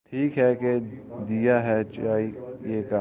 ٹھیک ہے کہ دیا ہے چائے کا۔۔۔